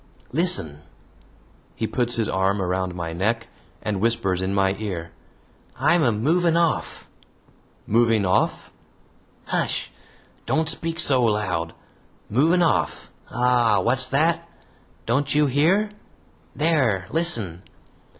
"Listen!" He puts his arm around my neck and whispers in my ear, "I'm a MOVING OFF!" "Moving off?" "Hush! Don't speak so loud. Moving off. Ah! wot's that? Don't you hear? there! listen!"